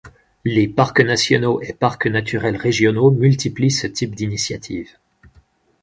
Les parcs nationaux et parcs naturels régionaux multiplient ce type d’initiative.